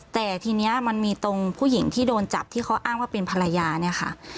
แต่ทีนี้มันมีตรงผู้หญิงที่โดนจับที่เขาอ้างว่าเป็นภรรยาเนี่ยค่ะ